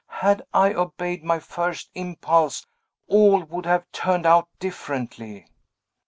Had I obeyed my first impulse, all would have turned out differently."